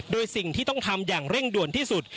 โดยสิ่งที่ต้องทำอย่างเร่งด่วนที่สุด